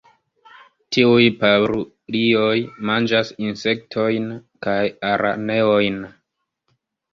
Tiuj parulioj manĝas insektojn kaj araneojn.